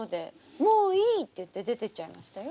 「もういい」って言って出てっちゃいましたよ。